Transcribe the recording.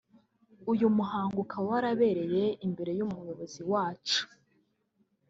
uyu muhango ukaba warabereye imbere y’umuyobozi wacyo